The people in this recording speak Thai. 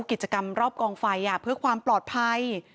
กิจกรรมรอบกองไฟเพื่อความปลอดภัย